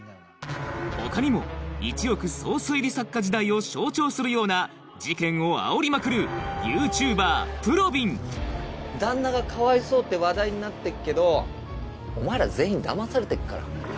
他にも一億総推理作家時代を象徴するような事件をあおりまくるＹｏｕＴｕｂｅｒぷろびん旦那がかわいそうって話題になってっけどお前ら全員だまされてっから。